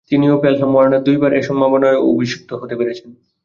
তিনি ও Pelham Warner দুইবার এ সম্মাননায় অভিষিক্ত হতে পেরেছেন।